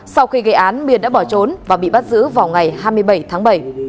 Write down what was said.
sau khi gây án biên đã bỏ trốn và bị bắt giữ vào ngày hai mươi bảy tháng bảy